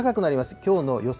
きょうの予想